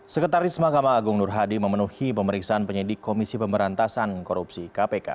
sekretaris mahkamah agung nur hadi memenuhi pemeriksaan penyidik komisi pemberantasan korupsi kpk